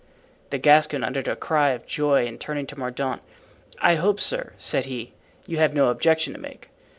The Gascon uttered a cry of joy and turning to Mordaunt: "I hope, sir," said he, "you have no objection to make."